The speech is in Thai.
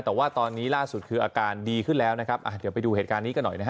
แต่ว่าตอนนี้ล่าสุดคืออาการดีขึ้นแล้วนะครับเดี๋ยวไปดูเหตุการณ์นี้กันหน่อยนะฮะ